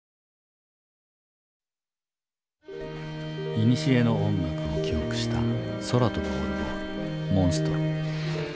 いにしえの音楽を記憶した空飛ぶオルゴール「モンストロ」。